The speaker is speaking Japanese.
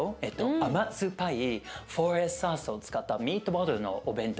甘酸っぱい４Ｓソースを使ったミートボールのお弁当。